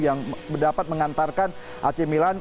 yang dapat mengantarkan ac milan